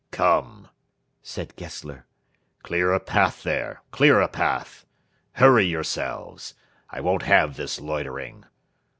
"Come," said Gessler, "clear a path there clear a path! Hurry yourselves. I won't have this loitering.